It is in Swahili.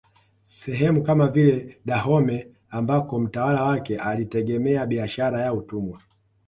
Sehemu kama vile Dahomey ambako mtawala wake alitegemea biashara ya utumwa